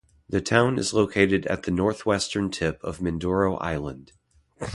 The town is located at the north-western tip of Mindoro Island.